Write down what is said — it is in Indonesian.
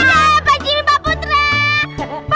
daaaaah pak jimmy pak putra